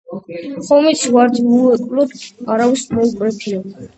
ხომ იცი ვარდი უეკლოდ არავის მოუკრეფია